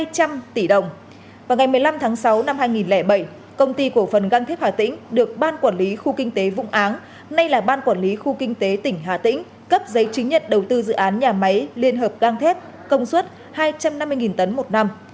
vào ngày một mươi năm tháng sáu năm hai nghìn bảy công ty cổ phần găng thép hà tĩnh được ban quản lý khu kinh tế vũng áng nay là ban quản lý khu kinh tế tỉnh hà tĩnh cấp giấy chứng nhận đầu tư dự án nhà máy liên hợp gang thép công suất hai trăm năm mươi tấn một năm